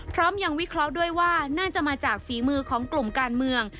พร้อมยังวิเคราะห์ด้วยว่าน่าจะมาจากฝีมือของกลุ่มการเมือง